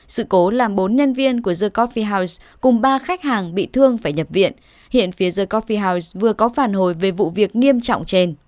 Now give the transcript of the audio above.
sự cố làm bốn nhân viên của the coffee house cùng ba khách hàng bị thương phải nhập viện hiện phía the coffee house vừa có phản hồi về vụ việc nghiêm trọng trên